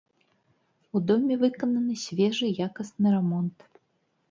У доме выкананы свежы якасны рамонт.